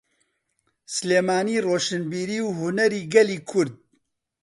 سلێمانی ڕۆشنبیری و هونەری گەلی کورد.